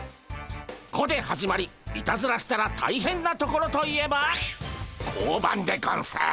「こ」で始まりいたずらしたらたいへんな所といえば交番でゴンス。